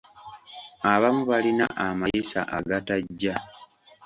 Abamu balina amayisa agatajja.